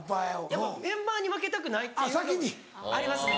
やっぱメンバーに負けたくないっていうのありますね。